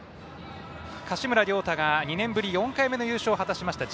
柏村亮太が２年ぶり４回目の優勝を果たしました。